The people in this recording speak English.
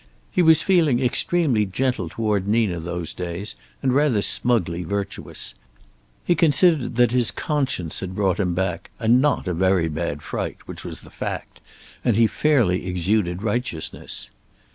He was feeling extremely gentle toward Nina those days and rather smugly virtuous. He considered that his conscience had brought him back and not a very bad fright, which was the fact, and he fairly exuded righteousness.